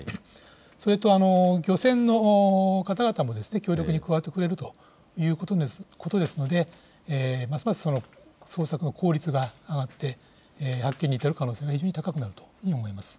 それと漁船の方々も、協力に加わってくれるということですので、ますます捜索の効率が上がって、発見に至る可能性が非常に高くなるというふうに思います。